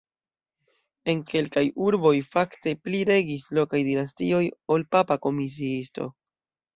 En kelkaj urboj fakte pli regis lokaj dinastioj ol papa komisiito.